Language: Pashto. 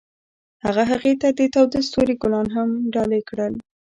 هغه هغې ته د تاوده ستوري ګلان ډالۍ هم کړل.